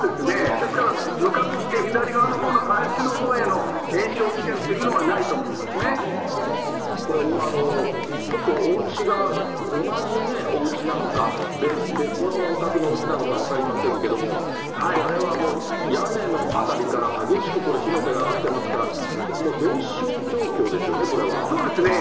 ですから、向かって左側のほうの林のほうへの延焼危険というのはないと思いこれ、今、ちょっとおうちが同じね、おうちなのか、別のお宅のおうちなのか分かりませんけれども、これはもう屋根の辺りから、激しくこれ、火の手が上がってますから、全焼状況ですよね、そうですね。